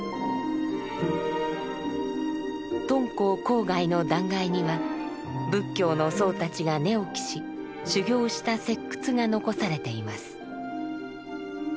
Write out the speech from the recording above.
敦煌郊外の断崖には仏教の僧たちが寝起きし修行した石窟が残されています。